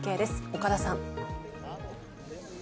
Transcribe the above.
岡田さん。